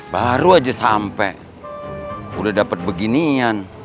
baru aja sampe udah dapet beginian